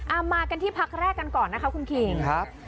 อ่ามากันที่พักแรกกันก่อนนะครับคุณครีมครับ